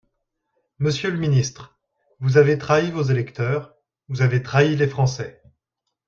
Monsieur le ministre, vous avez trahi vos électeurs, vous avez trahi les Français.